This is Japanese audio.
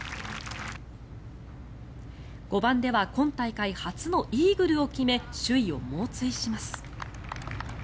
５番では今大会初のイーグルを決め首位を猛追します。